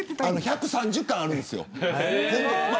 １３０巻あるんです。